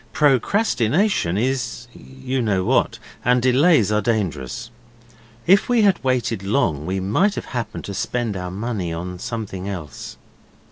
Procrastination is you know what and delays are dangerous. If we had waited long we might have happened to spend our money on something else.